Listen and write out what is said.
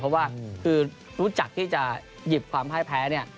เพราะว่ารู้จักที่จะหยิบความแพ้นี่